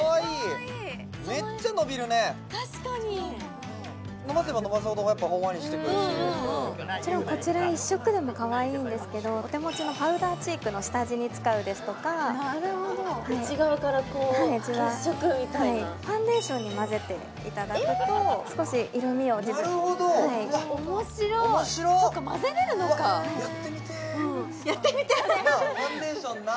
確かに伸ばせば伸ばすほどやっぱほんわりしてくるしこちら一色でもかわいいんですけどお手持ちのパウダーチークの下地に使うですとかなるほど内側からこう血色みたいなファンデーションに混ぜていただくと少し色味をなるほど面白っ面白いそっか混ぜれるのかやってみてえファンデーションなあ